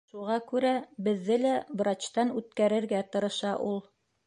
Шуға күрә беҙҙе лә врачтан үткәрергә тырыша ул.